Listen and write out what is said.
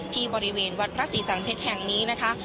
ที่บริเวณวัดพระศรีสันเพชรแห่งนี้นะคะ